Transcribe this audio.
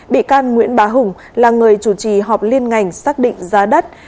bị can nguyễn bá hùng là người chủ trì họp liên ngành xác định giá đất